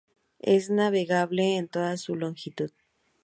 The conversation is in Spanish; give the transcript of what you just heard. Es navegable en toda su longitud.